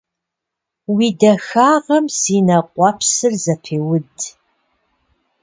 Уи дахагъэм си нэ къуэпсыр зэпеуд.